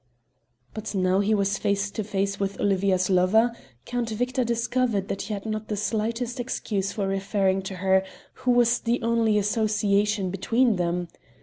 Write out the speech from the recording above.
But now he was face to face with Olivia's lover, Count Victor discovered that he had not the slightest excuse for referring to her who was the only association between them!